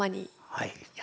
はい。